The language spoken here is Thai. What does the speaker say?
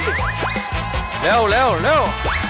ทีเดียว